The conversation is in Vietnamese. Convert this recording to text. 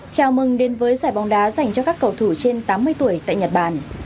chào mừng đến với giải bóng đá dành cho các cầu thủ trên tám mươi tuổi tại nhật bản